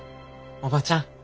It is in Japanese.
おばちゃん。